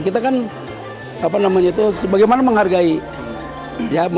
kita kan sebagaimana menghargai antaragama